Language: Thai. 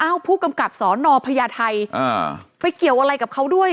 ผู้กำกับสอนอพญาไทยอ่าไปเกี่ยวอะไรกับเขาด้วย